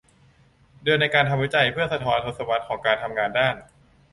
เดือนในการทำวิจัยเพื่อสะท้อนทศวรรษของการทำงานด้าน